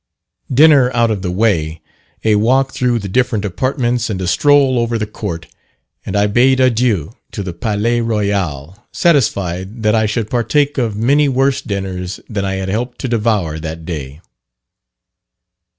Dinner out of the way, a walk through the different apartments, and a stroll over the court, and I bade adieu to the Palais Royal, satisfied that I should partake of many worse dinners than I had helped to devour that day.